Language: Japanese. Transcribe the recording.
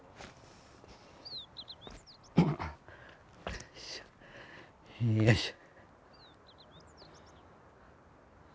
よいしょよいしょ。